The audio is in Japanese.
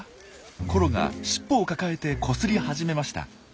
コロが尻尾を抱えてこすり始めました。